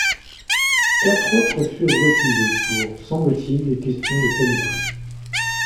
Quatre autres furent refusées pour, semble-t-il, des questions de calibrage.